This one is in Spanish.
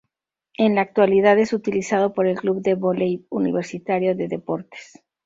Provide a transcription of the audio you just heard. En la actualidad es utilizado por el Club de Vóley Universitario de Deportes.